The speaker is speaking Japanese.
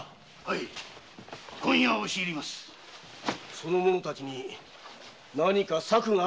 その者たちに何か策があると申すのか？